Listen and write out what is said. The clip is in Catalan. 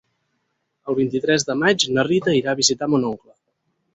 El vint-i-tres de maig na Rita irà a visitar mon oncle.